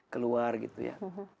keluar gitu ya